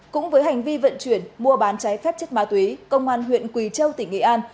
cũng với hành vi vận chuyển mua bán cháy phép chất ma túy công an huyện quỳ châu tỉnh nghệ an